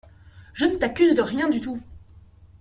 Je ne t’accuse de rien du tout !